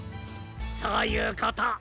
そういうこと。